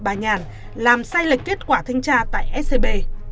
bà nhàn làm sai lệch kết quả thanh tra tại scb